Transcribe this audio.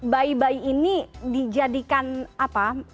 bayi bayi ini dijadikan apa